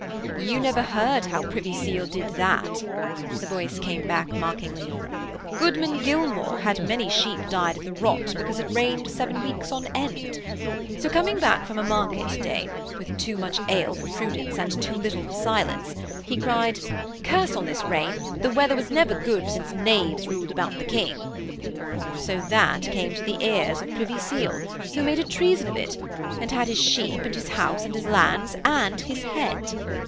'You never heard how Privy Seal did that,' the voice came back mockingly. 'Goodman Gilmaw had many sheep died of the rot because it rained seven weeks on end. So, coming back from a market day, with too much ale for prudence and too little for silence, he cried, "Curse on this rain! The weather was never good since knaves ruled about the King." So that came to the ears of Privy Seal, who made a treason of it, and had his sheep, and his house, and his lands, and his head.